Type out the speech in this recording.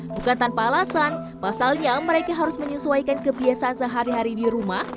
bukan tanpa alasan pasalnya mereka harus menyesuaikan kebiasaan sehari hari di rumah